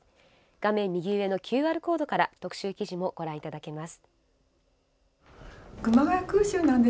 画面右上のＱＲコードから特集記事もご覧いただけます。